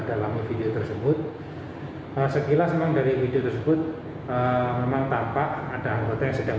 dalam video tersebut sekilas memang dari video tersebut memang tampak ada anggota yang sedang